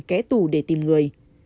cái tù để tìm người